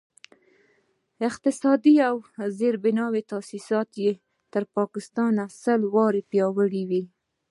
اقتصادي او زیربنایي تاسیسات به یې تر پاکستان سل واره پیاوړي وي.